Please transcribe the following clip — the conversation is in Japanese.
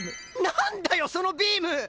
なんだよそのビーム！